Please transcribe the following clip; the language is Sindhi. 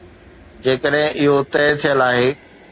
جيڪڏهن اهو طئي ٿيل آهي.